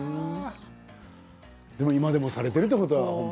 でも今でもされているということは。